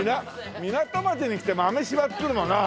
港町に来て豆柴っつうのもな。